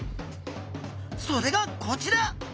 それがこちら！